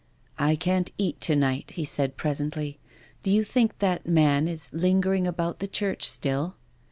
" I can't cat to night," he said presently. " Do you think that man is lingering about the church still?"